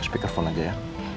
speakerphone aja ya